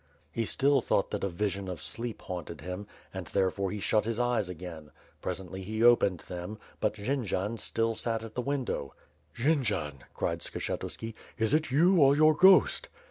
He still thought that a vision of sleep haunted him, and therefore he shut his eyes again; presently he opened them, but Jendzian still sat at the window. "Jendzian/^ cried Skshetuski, "is it you or your ghost?''